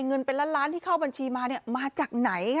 เงินเป็นล้านล้านที่เข้าบัญชีมามาจากไหน